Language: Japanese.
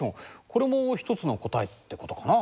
これも一つの答えってことかな。